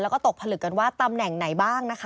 แล้วก็ตกผลึกกันว่าตำแหน่งไหนบ้างนะคะ